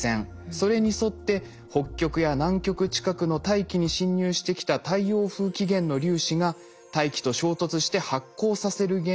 それに沿って北極や南極近くの大気に侵入してきた太陽風起源の粒子が大気と衝突して発光させる現象がオーロラなんです。